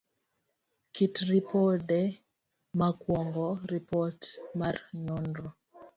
kit ripode. mokuongo, Ripot mar nonro